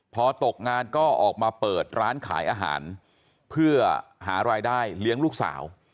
พอตกงานก็ออกมาเปิดร้านขายอาหารเพื่อหารายได้เลี้ยงลูกสาว